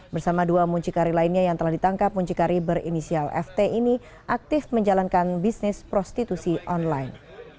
bersama dua muncikari lainnya yang telah ditangkap muncikari berinisial ft ini aktif menjalankan bisnis prostitusi online